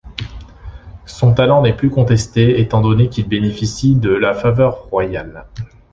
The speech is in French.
Son talent n'est plus contesté étant donné qu'il bénéficie de la faveur royale.